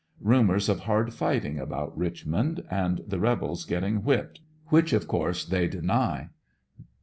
'* Rumors of hard fighting about Richmond, and the rebels getting whipped, which of course they deny.